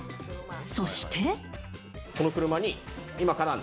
そして。